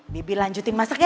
bibi lanjutin masak ya